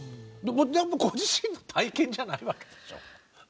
全部ご自身の体験じゃないわけでしょ？